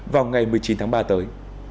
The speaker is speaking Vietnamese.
vào ngày một mươi chín tháng ba tới